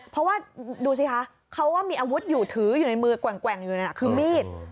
เพราะว่าดูสิคะเขาว่ามีอาวุธอยู่ถืออยู่ในมือแกว่งอยู่นั่นคือมีด